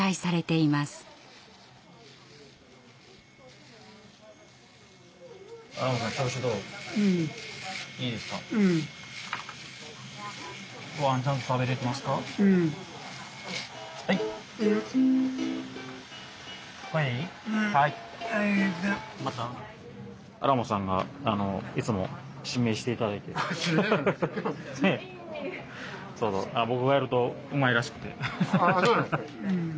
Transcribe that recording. そうそう僕がやるとうまいらしくて。